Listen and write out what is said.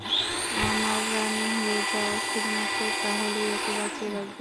আমার রাণী হয়ে যাও, শুধুমাত্র তাহলেই ওকে বাঁচিয়ে রাখব!